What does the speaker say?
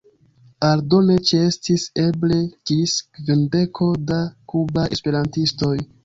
Aldone ĉeestis eble ĝis kvindeko da kubaj esperantistoj.